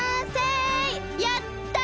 やった！